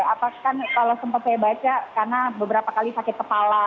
apakah kalau sempat saya baca karena beberapa kali sakit kepala